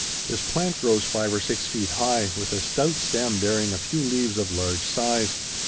This plant grows five or six feet high, with a stout stem bearing a few leaves of large size.